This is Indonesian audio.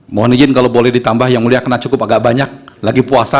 mohon izin kalau boleh ditambah yang mulia karena cukup agak banyak lagi puasa